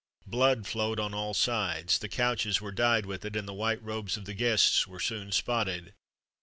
Blood flowed on all sides; the couches were dyed with it, and the white robes of the guests were soon spotted.